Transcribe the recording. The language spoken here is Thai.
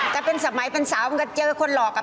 แต่เป็นสมัยเป็นสาวมันก็เจอคนหลอกอ่ะ